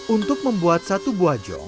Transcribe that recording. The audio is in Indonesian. untuk membuat satu buah jong